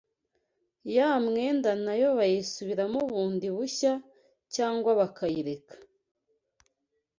ya mwenda nayo bayisubiramo bundi bushya cyangwa bakayireka